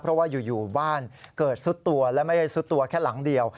เพราะว่าอยู่บ้านเกิดซุดตัวและไม่ได้ซุดตัวแค่หลังเดียว